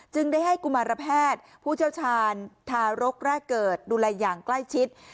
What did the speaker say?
ได้ให้กุมารแพทย์ผู้เชี่ยวชาญทารกแรกเกิดดูแลอย่างใกล้ชิด